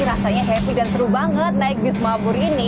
kalau saya rasanya heavy dan seru banget naik bus mabur ini